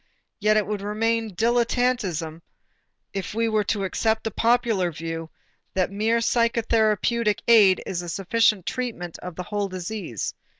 Yet it would remain dilettanteism if we were to accept the popular view that the mere psychotherapeutic aid is a sufficient treatment of the whole disease.